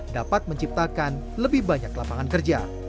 dapat menciptakan lebih banyak lapangan kerja